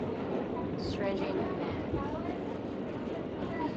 Strange in command.